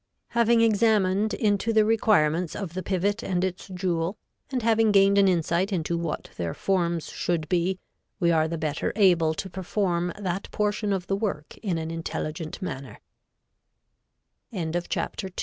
Having examined into the requirements of the pivot and its jewel and having gained an insight into what their forms should be, we are the better able to perform that portion of the work in an intelligent mann